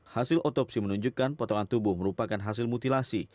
hasil otopsi menunjukkan potongan tubuh merupakan hasil mutilasi